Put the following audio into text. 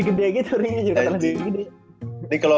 kayaknya lebih gede gitu